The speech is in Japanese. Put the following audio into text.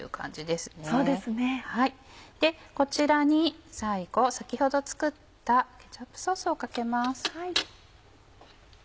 でこちらに最後先ほど作ったケチャップソースをかけます。